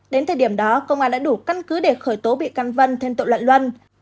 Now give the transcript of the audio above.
đến thời điểm đó công an đã đủ căn cứ để khởi tố bị can vân thêm tội loạn luân